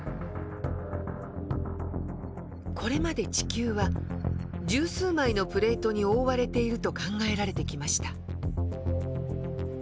これまで地球は十数枚のプレートに覆われていると考えられてきました。